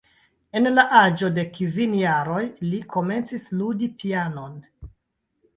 En la aĝo de kvin jaroj li komencis ludi pianon.